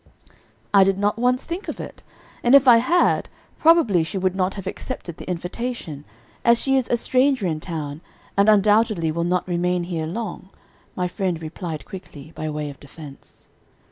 "I did not once think of it, and if I had, probably she would not have accepted the invitation, as she is a stranger in town, and undoubtedly will not remain here long," my friend replied quickly, by way of defense.